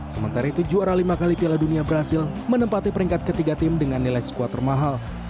sementara itu juara lima kali piala dunia brazil menempati peringkat ketiga tim dengan nilai squad termahal